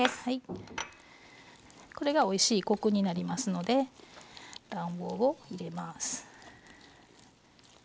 これがおいしいコクになりますので卵黄を入れます。